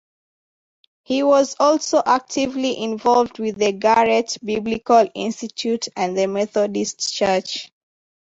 He was also actively involved with the Garrett Biblical Institute and the Methodist Church.